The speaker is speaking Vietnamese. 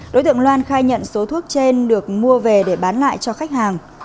đối tượng loan khai nhận số thuốc trên được mua về để bán lại cho khách hàng